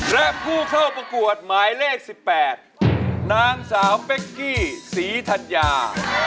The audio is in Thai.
และผู้เข้าประกวดหมายเลข๑๘นางสาวเป๊กกี้ศรีธัญญา